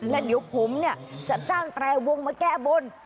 แล้วเดี๋ยวผมเนี่ยจะจ้างแตรวงมาแก้บน